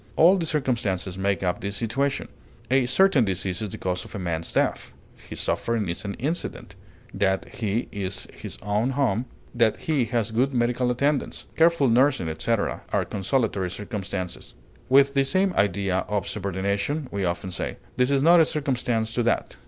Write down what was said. All the circumstances make up the situation. A certain disease is the cause of a man's death; his suffering is an incident; that he is in his own home, that he has good medical attendance, careful nursing, etc., are consolatory circumstances. With the same idea of subordination, we often say, "This is not a circumstance to that."